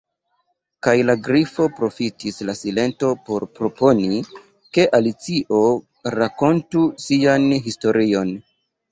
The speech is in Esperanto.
Kaj la Grifo profitis la silenton por proponi ke Alicio rakontu sian historion.